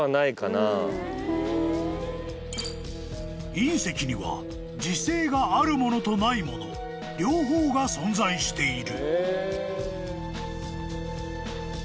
［隕石には磁性があるものとないもの両方が存在している］